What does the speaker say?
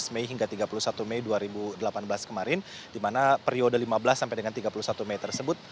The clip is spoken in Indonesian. lima belas mei hingga tiga puluh satu mei dua ribu delapan belas kemarin di mana periode lima belas sampai dengan tiga puluh satu mei tersebut